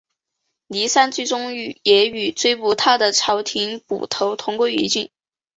倪三最终也与追捕他的朝廷捕头同归于尽。